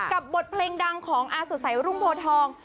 บทเพลงดังของอาสุสัยรุ่งโพทอง